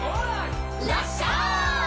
「らっしゃい！」